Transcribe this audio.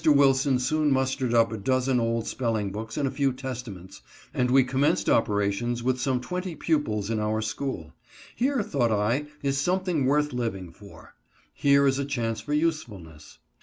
Wilson soon mustered up a dozen old spelling books and a few Testaments, and we commenced operations with some twenty pupils in our school. Here, thought I, is something worth living for. Here is a chance for usefulness.